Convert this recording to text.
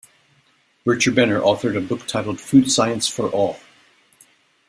Bircher Benner authored a book titled ""Food Science for All"".